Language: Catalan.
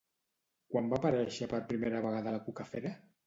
Quan va aparèixer per primera vegada la Cucafera?